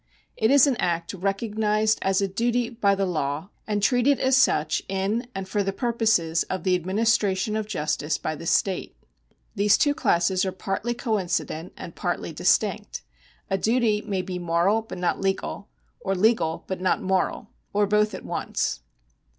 It is an act recognised as a duty by the law, and treated as such in and for the purposes of the administration of justice by the state. These two classes are partly coincident and partly distinct. A duty may be moral but not legal, or legal but not moral, or both at once.